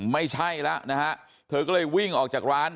ไม่ใช่แล้วนะฮะเธอก็เลยวิ่งออกจากร้าน